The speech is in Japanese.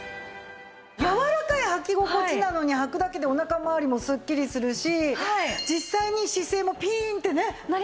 やわらかいはき心地なのにはくだけでお腹まわりもスッキリするし実際に姿勢もピーンってね。